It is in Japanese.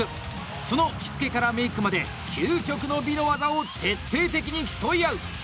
その着付からメイクまで究極の美の技を徹底的に競い合う！